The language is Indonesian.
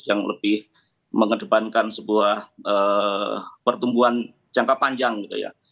yang lebih mengedepankan sebuah pertumbuhan jangka panjang gitu ya